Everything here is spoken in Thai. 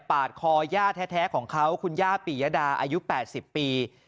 ปาดคอย่าแท้แท้ของเขาคุณย่าปียดาอายุแปดสิบปี